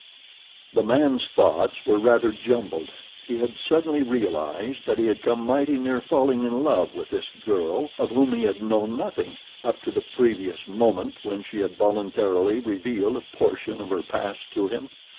The man's thoughts were rather jumbled. He had suddenly realized that he had come mighty near falling in love with this girl of whom he had known nothing up to the previous moment when she had voluntarily revealed a portion of her past to him.